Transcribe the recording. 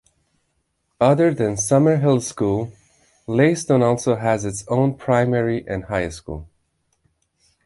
Other than Summerhill School, Leiston also has its own primary and high school.